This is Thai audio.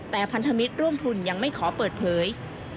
แต่พันธมิตรร่วมทุนยังไม่ขอเปิดเผย